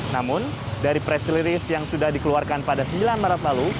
namun dari press reliris yang sudah dikeluarkan pada sembilan maret lalu